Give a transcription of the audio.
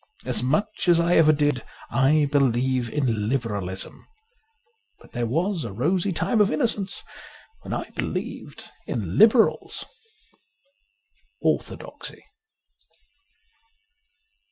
As much as I ever did, I believe in Liberalism. But there was a rosy time of innocence when I believed in Liberals. ' Orthodoxy.